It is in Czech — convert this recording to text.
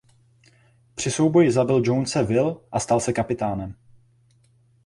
Při souboji zabil Jonese Will a stal se kapitánem.